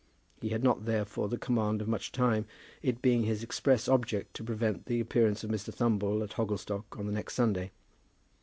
He had not, therefore, the command of much time, it being his express object to prevent the appearance of Mr. Thumble at Hogglestock on the next Sunday.